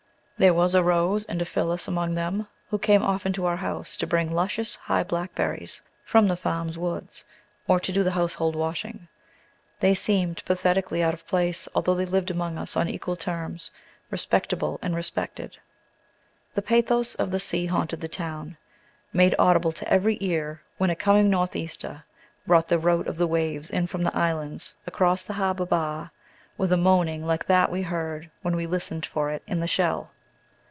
There was a "Rose" and a "Phillis" among them, who came often to our house to bring luscious high blackberries from the Farms woods, or to do the household washing. They seemed pathetically out of place, although they lived among us on equal terms, respectable and respected. The pathos of the sea haunted the town, made audible to every ear when a coming northeaster brought the rote of the waves in from the islands across the harbor bar, with a moaning like that we heard when we listened for it in the shell.